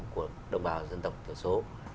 của đồng bào dân tộc thiểu số